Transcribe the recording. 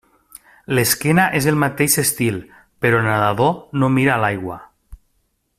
L'esquena és el mateix estil però el nedador no mira a l'aigua.